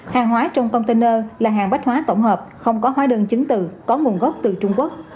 hàng hóa trong container là hàng bách hóa tổng hợp không có hóa đơn chứng từ có nguồn gốc từ trung quốc